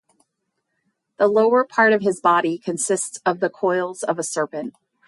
The lower part of his body consists of the coils of a serpent.